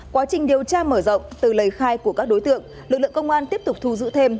quá trình điều tra mở rộng từ lời khai của các đối tượng lực lượng công an tiếp tục thu giữ thêm